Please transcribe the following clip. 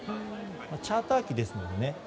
チャーター機ですもんね。